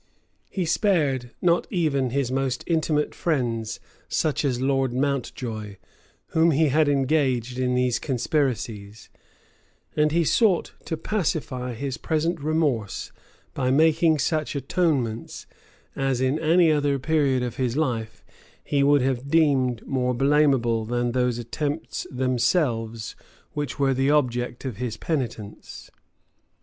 He spared not even his most intimate friends, such as Lord Mountjoy, whom he had engaged in these conspiracies; and he sought to pacify his present remorse by making such atonements as, in any other period of his life, he would have deemed more blamable than those attempts themselves which were the objects of his penitence.